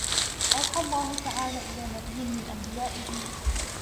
أَوْحَى اللَّهُ تَعَالَى إلَى نَبِيٍّ مِنْ أَنْبِيَائِهِ